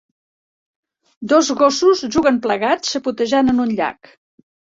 Dos gossos juguen plegats xapotejant en un llac.